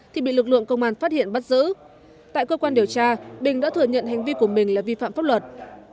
thì bị lực lượng công an phát hiện bắt giữ tại cơ quan điều tra bình đã thừa nhận hành vi của mình là vi phạm pháp luật